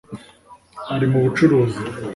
Ari mu bucuruzi